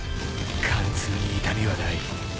貫通に痛みはない。